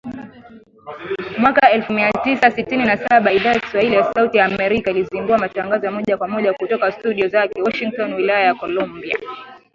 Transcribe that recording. Mwaka elfu mia tisa sitini na saba, Idhaa ya Kiswahili ya Sauti ya Amerika ilizindua matangazo ya moja kwa moja kutoka studio zake Washington Wilaya ya Columbia